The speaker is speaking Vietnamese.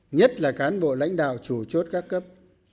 nhất là cán bộ lãnh đạo chủ chốt các cấp